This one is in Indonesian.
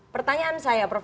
pertanyaan saya prof